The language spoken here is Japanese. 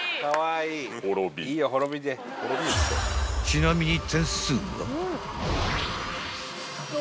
［ちなみに］